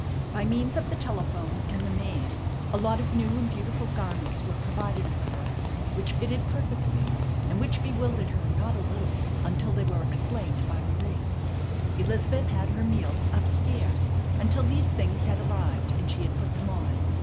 By means of the telephone and the maid a lot of new and beautiful garments were provided for her, which fitted perfectly, and which bewildered her not a little until they were explained by Marie. Elizabeth had her meals up stairs until these things had arrived and she had put them on.